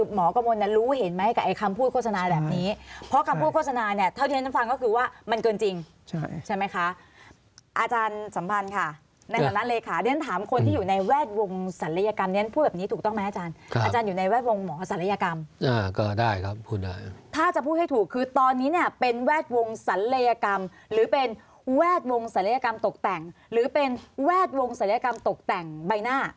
หรือเป็นแวกวงศัลยกรรมตกแต่งหรือเป็นแวกวงศัลยกรรมตกแต่งใบหน้า